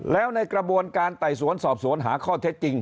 แล้วในกระบวนการไต่สวนสอบสวนหาข้อเท็จจริง